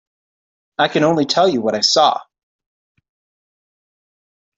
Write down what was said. I can only tell you what I saw.